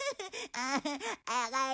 ああ。